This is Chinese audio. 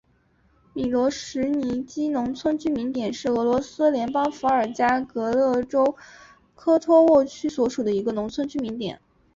米罗什尼基农村居民点是俄罗斯联邦伏尔加格勒州科托沃区所属的一个农村居民点。